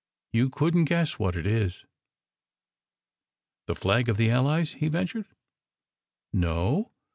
You couldn t guess what it is !" "The flag of the Allies? " he ventured. " No.